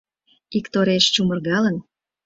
Иктореш чумыргалын